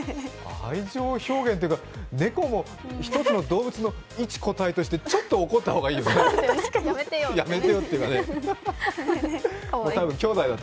愛情表現というか、猫も１つの動物の１個体として、ちょっと怒った方がいいよね、やめてよねと。